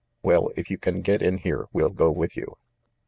"Well, if you can get in here, we'll go with you.